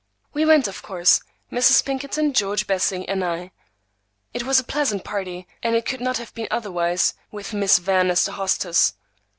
We went, of course, Mrs. Pinkerton, George, Bessie, and I. It was a pleasant party, and it could not have been otherwise with Miss Van as the hostess.